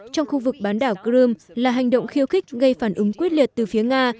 trong khu vực bán đảo crimea là hành động khiêu khích gây phản ứng quyết liệt từ phía nga